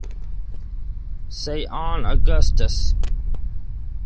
Say on, Augustus.